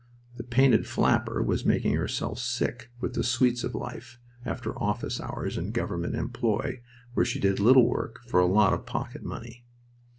The painted flapper was making herself sick with the sweets of life after office hours in government employ, where she did little work for a lot of pocket money.